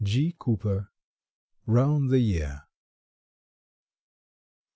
—G. Cooper, "'Round the Year."